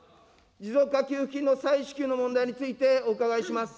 持続化給付金の再支給の問題についてお伺いします。